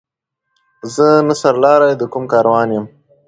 زه نه سر لاری د کوم کاروان یم